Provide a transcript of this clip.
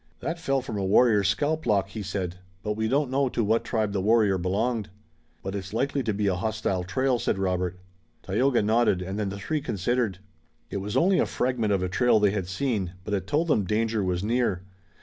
"That fell from a warrior's scalplock," he said, "but we don't know to what tribe the warrior belonged." "But it's likely to be a hostile trail," said Robert. Tayoga nodded, and then the three considered. It was only a fragment of a trail they had seen, but it told them danger was near.